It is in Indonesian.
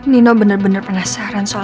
nino bener bener penasaran soal